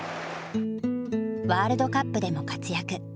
ワールドカップでも活躍。